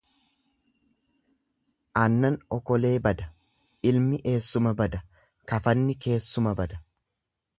Aannan okolee bada, ilmi eessuma bada, kafanni keessuma bada.